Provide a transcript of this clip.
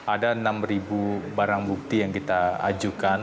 ada enam barang bukti yang kita ajukan